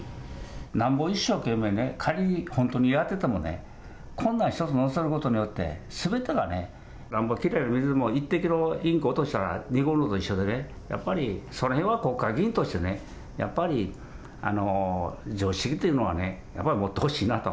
なんぼ一生懸命ね、仮に本当にやっててもね、こんなん一つ載せることによって、すべてがね、なんぼきれいな水でも一滴のインク落としたら濁るのと一緒でね、やっぱりそのへんは国会議員としてね、やっぱり常識というのはね、やっぱり持ってほしいなと。